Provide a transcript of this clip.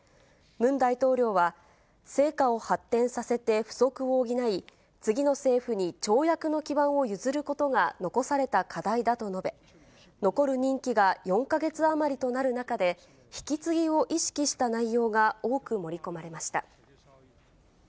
ムン大統領は、成果を発展させて不足を補い、次の政府に跳躍の基盤を譲ることが残された課題だと述べ、残る任期が４か月余りとなる中で、引き継ぎを意識した内容が多く盛り込まれました。